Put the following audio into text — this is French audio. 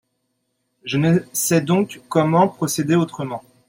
Je ne sais donc comment procéder autrement.